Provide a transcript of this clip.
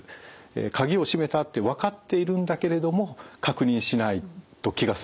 鍵を閉めたって分かっているんだけれども確認しないと気が済まない。